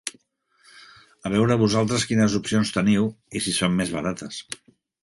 A veure vosaltres quines opcions teniu i si són més barates.